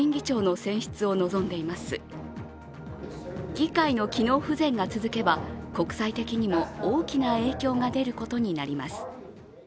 議会の機能不全が続けば国際的にも大きな影響が出ることになります。